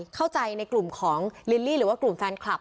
เข้าใจในกลุ่มของลิลลี่หรือว่ากลุ่มแฟนคลับ